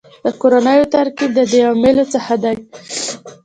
د کورنیو ترکیب د دې عواملو څخه دی